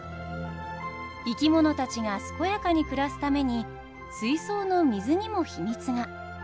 生き物たちが健やかに暮らすために水槽の水にも秘密が。